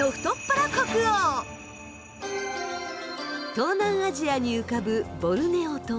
東南アジアに浮かぶボルネオ島。